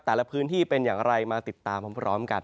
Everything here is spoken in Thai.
แต่ละพื้นที่เป็นอย่างไรมาติดตามพร้อมกัน